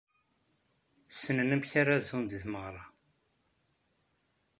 Ssnen amek ara zhun deg tmeɣra.